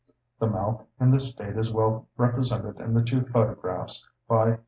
The mouth in this state is well represented in the two photographs (Plate II.